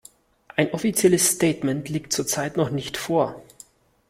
Ein offizielles Statement liegt zurzeit noch nicht vor.